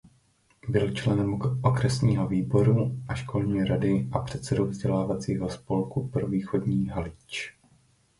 Byl členem okresního výboru a školní rady a předsedou vzdělávacího spolku pro východní Halič.